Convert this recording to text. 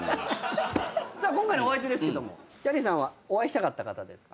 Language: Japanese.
さあ今回のお相手ですけどもお会いしたかった方ですか？